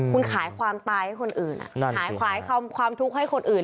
คุณขายความตายให้คนอื่นขายความทุกข์ให้คนอื่น